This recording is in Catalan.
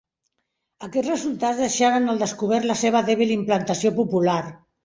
Aquests resultats deixaren al descobert la seva dèbil implantació popular.